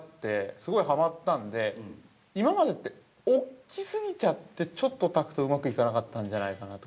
すごい、はまったんで今までって、大きすぎちゃってちょっと炊くと、うまくいかなかったんじゃないかなと。